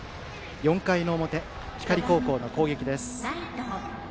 ４回表、光高校の攻撃です。